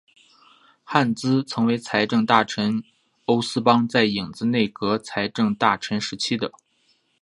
汉兹曾为财政大臣欧思邦在影子内阁财政大臣时期的。